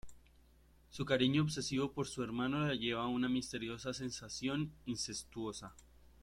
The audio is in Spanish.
Su cariño obsesivo por su hermano la lleva a una misteriosa sensación incestuosa.